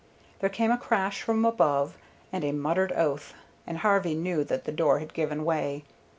There came a crash from above, and a muttered oath, and Harvey knew that the door had given way.